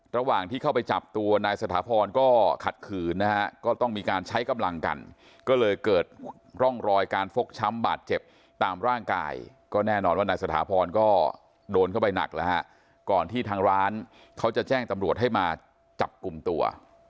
ระหว่างที่เข้าไปจับตัวนายสถาพรก็ขัดขืนนะฮะก็ต้องมีการใช้กำลังกันก็เลยเกิดร่องรอยการฟกช้ำบาดเจ็บตามร่างกายก็แน่นอนว่านายสถาพรก็โดนเข้าไปหนักแล้วฮะก่อนที่ทางร้านเขาจะแจ้งตำรวจให้มาจับกลุ่มตัว